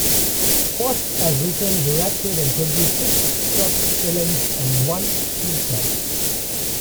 Faust has written, directed and produced six short films and one feature.